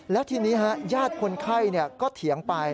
แล้วทีนี้ญาติคนไข้ก็เถียงไป